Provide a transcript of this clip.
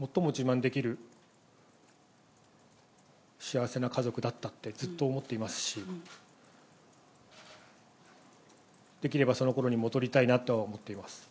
最も自慢できる幸せな家族だったってずっと思っていますし、できればそのころに戻りたいなとは思っています。